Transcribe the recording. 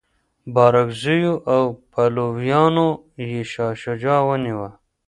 بارکزیو او پلویانو یې شاه شجاع ونیوه.